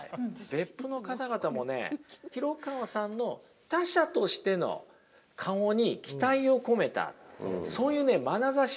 別府の方々もね、廣川さんの他者としての顔に期待を込めたそういうね、まなざしを送ってきたんだと思うんですよね。